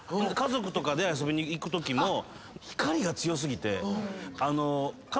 家族とかで遊びに行くときも光が強過ぎて。